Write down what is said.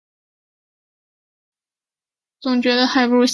总觉得还不如先前看到的好